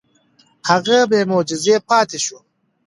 هغه بې معجزې پاتې شوه.